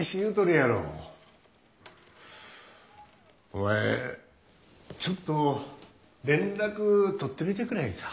お前ちょっと連絡取ってみてくれへんか？